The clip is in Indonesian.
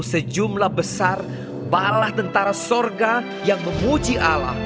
sejumlah besar balah tentara sorga yang memuji alam